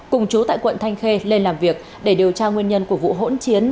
cùng chú tại quận thanh khê lên làm việc để điều tra nguyên nhân của vụ hỗn chiến